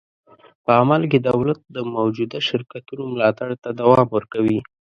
په عمل کې دولت د موجوده شرکتونو ملاتړ ته دوام ورکوي.